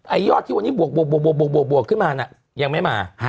ยอดที่วันนี้บวกขึ้นมาน่ะยังไม่มา